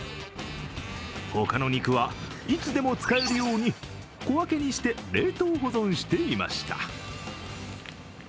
他のお肉は、いつでも使えるように小分けにして冷凍保存していました。